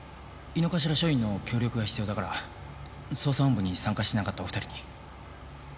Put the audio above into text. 井の頭署員の協力が必要だから捜査本部に参加しなかったお二人に。